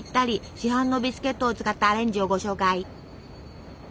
市販のビスケットを使ったアレンジをご紹介！